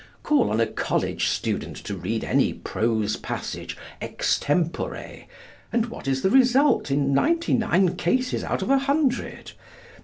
Call on a college student to read any prose passage extempore, and what is the result in ninety nine cases out of a hundred?